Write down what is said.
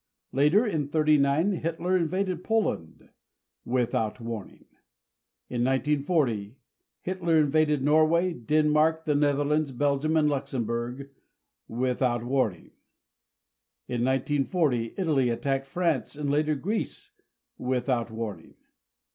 Later in '39, Hitler invaded Poland without warning. In 1940, Hitler invaded Norway, Denmark, the Netherlands, Belgium and Luxembourg without warning. In 1940, Italy attacked France and later Greece without warning.